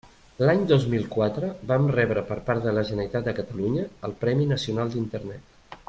L'any dos mil quatre vam rebre per part de la Generalitat de Catalunya el Premi Nacional d'Internet.